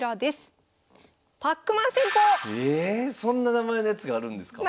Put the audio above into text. えそんな名前のやつがあるんですか？